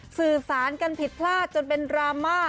สื่อสารกันผิดพลาดจนเป็นดราม่า